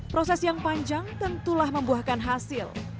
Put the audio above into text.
proses yang panjang tentulah membuahkan hasil